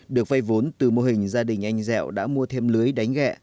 được vây vốn từ mô hình gia đình anh dẹo đã mua thêm lưới đánh ghẹ